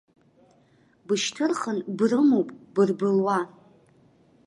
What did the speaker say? Бышьҭырхын брымоуп бырбылуа.